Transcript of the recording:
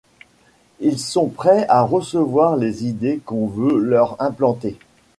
ils sont prêts à recevoir les idées qu'on veut leur implanter.